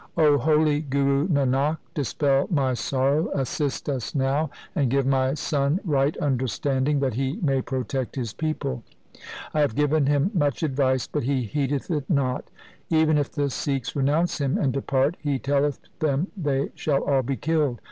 O holy Guru Nanak, dispel my sorrow, assist us now, and give my son right understanding that he may protect his people ! I have given him much advice, but he heedeth it not. Even if the Sikhs renounce him and depart, he telleth them they shall all be killed.